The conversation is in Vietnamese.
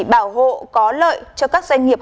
bảo hộ có lợi cho các doanh nghiệp